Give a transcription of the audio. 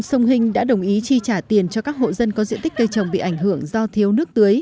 sông hinh đã đồng ý chi trả tiền cho các hộ dân có diện tích cây trồng bị ảnh hưởng do thiếu nước tưới